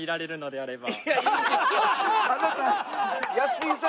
あなた安井さん。